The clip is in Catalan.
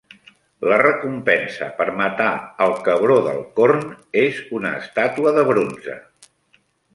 La recompensa per matar el cabró del corn és una estàtua de bronze.